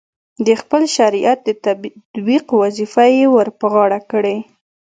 د خپل شریعت د تطبیق وظیفه یې ورپه غاړه کړې.